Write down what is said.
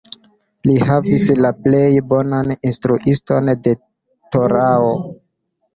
Li havis la plej bonan instruiston de Torao.